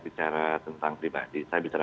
bicara tentang pribadi saya bicara